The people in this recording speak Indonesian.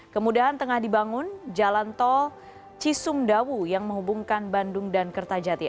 kemudahan tengah dibangun jalan tol cisumdawu yang menghubungkan bandung dan kertajati